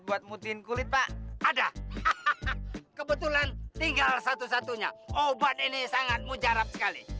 buat mutin kulit pak ada kebetulan tinggal satu satunya obat ini sangat mujarab sekali